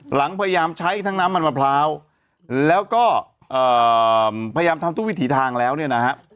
พยายามใช้ทั้งน้ำมันมะพร้าวแล้วก็พยายามทำทุกวิถีทางแล้วเนี่ยนะฮะ